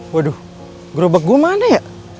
waduh kerobak gua mana ya